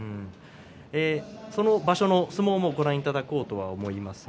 その場所の相撲もご覧いただこうと思います。